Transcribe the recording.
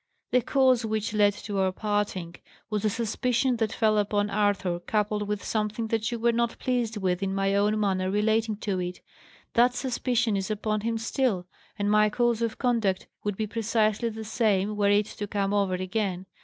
"The cause which led to our parting, was the suspicion that fell upon Arthur, coupled with something that you were not pleased with in my own manner relating to it. That suspicion is upon him still; and my course of conduct would be precisely the same, were it to come over again.